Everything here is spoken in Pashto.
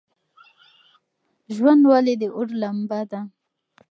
ژوند ولې د اور لمبه ده؟